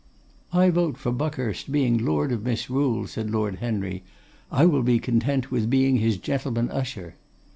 'I vote for Buckhurst being Lord of Misrule,' said Lord Henry: 'I will be content with being his gentleman usher.